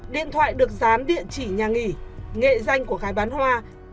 điện thoại được dán địa chỉ nhà nghỉ nghệ danh của gái bán hoa